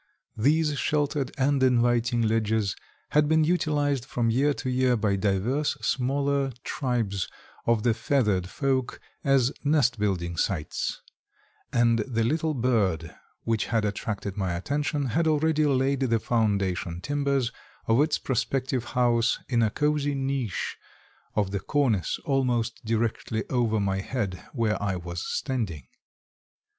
These sheltered and inviting ledges had been utilized from year to year by divers smaller tribes of the feathered folk as nest building sites, and the little bird which had attracted my attention had already laid the foundation timbers of its prospective house in a cosy niche of the cornice almost directly over my head where I was standing.